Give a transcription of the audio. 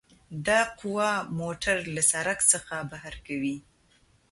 دا قوه موټر له سرک څخه بهر کوي